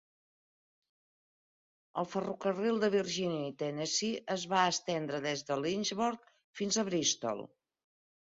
El ferrocarril de Virgínia i Tennessee es va estendre des de Lynchburg fins a Bristol.